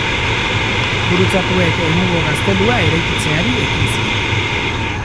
Gurutzatuek egungo gaztelua eraikitzeari ekin zioten.